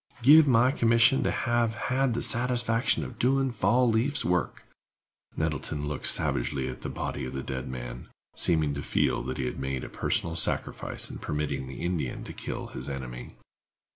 give my commission to have had the satisfaction of doin' Fall leaf's work." Nettleton looked savagely at the body of the dead man, seeming to feel that he had made a personal sacrifice in permitting the Indian to kill his enemy.